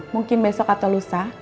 mungkin besok atau lusa